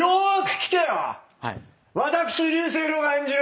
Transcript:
私竜星涼が演じる